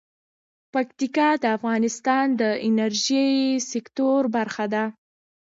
پکتیکا د افغانستان د انرژۍ سکتور برخه ده.